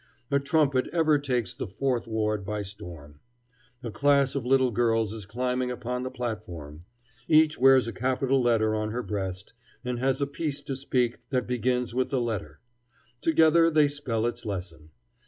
A trumpet ever takes the Fourth Ward by storm. A class of little girls is climbing upon the platform. Each wears a capital letter on her breast, and has a piece to speak that begins with the letter; together they spell its lesson.